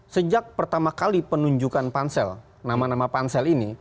sejak pertama kali penunjukan pansel nama nama pansel ini